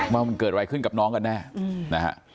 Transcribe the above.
ว่ามันเกิดอะไรขึ้นกับน้องกันแน่นะฮะ